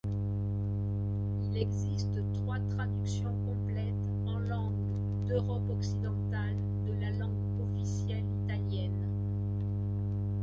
Il existe trois traductions complètes en langues d’Europe occidentale de la langue officielle italienne.